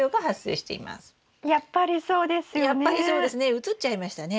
うつっちゃいましたね。